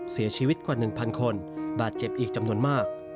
เสียชีวิตกว่า๑๐๐คนบาดเจ็บอีกจำนวนมาก